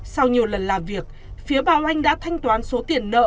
sau nhiều lần làm việc phía bảo anh đã thanh toán số tiền nợ